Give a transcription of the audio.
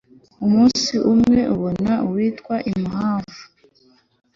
umunsi umwe, umubona witwa imhamvu